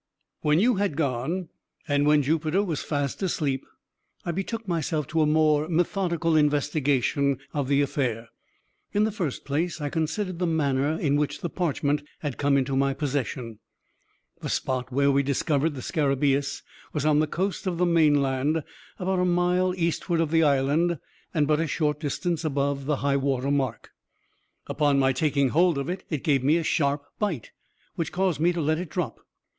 "When you had gone, and when Jupiter was fast asleep, I betook myself to a more methodical investigation of the affair. In the first place, I considered the manner in which the parchment had come into my possession. The spot where we discovered the scarabaeus was on the coast of the mainland, about a mile eastward of the island, and but a short distance above high water mark. Upon my taking hold of it, it gave me a sharp bite, which caused me to let it drop.